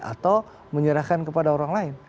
atau menyerahkan kepada orang lain